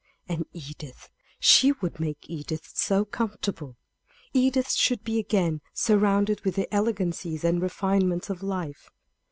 And Edith she would make Edith so comfortable! Edith should be again surrounded with the elegancies and refinements of life.